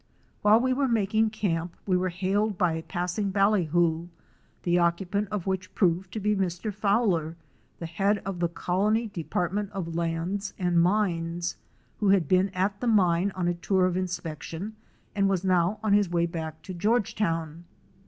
While we were making camp we were hailed by a passing ballyhoo, the occupant of which proved to be Mr. Fowler, the head of the Colony Department of Lands and Mines, who had been at the mine on a tour of inspection and was now on his way back to Georgetown.